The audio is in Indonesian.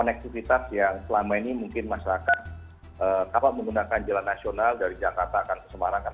dan aksesibilitas yang selama ini mungkin masyarakat dapat menggunakan jalan nasional dari jakarta akan kesemarangan